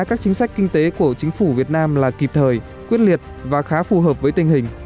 các chính sách kinh tế của chính phủ việt nam là kịp thời quyết liệt và khá phù hợp với tình hình